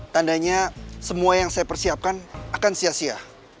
tandanya semua yang saya persiapkan akan sia sia